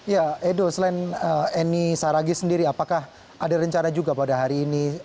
ya edo selain eni saragi sendiri apakah ada rencana juga pada hari ini